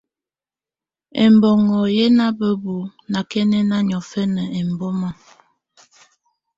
Ɛbɔnɔ̀ yɛ̀ nà bǝ́bu nakɛnɛna niɔ̀fɛna ɛmbɔma.